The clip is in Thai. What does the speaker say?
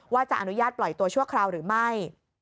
ว่าจะอนุญาตปล่อยตัวชั่วคราวหรือไม่